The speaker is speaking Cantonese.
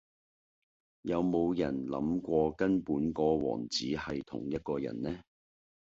有冇人諗過根本個王子系同一個人呢?